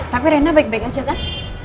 tapi rena baik baik aja kan